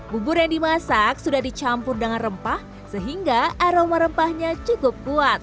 bubur yang dimasak sudah dicampur dengan rempah sehingga aroma rempahnya cukup kuat